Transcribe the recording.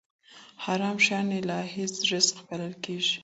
حرام شيان الهي رزق بلل کفر دی.